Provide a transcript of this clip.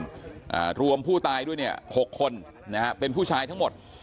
อ่ารวมผู้ตายด้วยเนี่ยหกคนนะฮะเป็นผู้ชายทั้งหมด